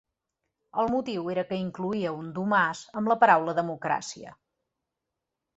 El motiu era que incloïa un domàs amb la paraula ‘democràcia’.